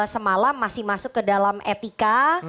semalam masih masuk ke dalam etika